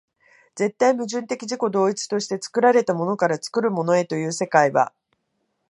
絶対矛盾的自己同一として作られたものから作るものへという世界は、